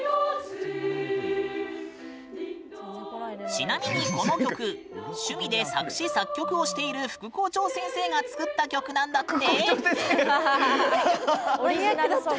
ちなみに、この曲趣味で作詞・作曲をしている副校長先生が作った曲なんだって！